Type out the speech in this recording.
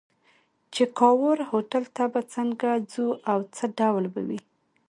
چې کاوور هوټل ته به څنګه ځو او څه ډول به وي.